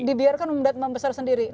dibiarkan membesar sendiri